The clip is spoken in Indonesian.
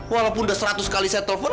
walaupun udah seratus kali saya telfon